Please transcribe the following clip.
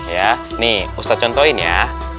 ya ini ustadz contohin ya